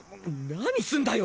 何すんだよ！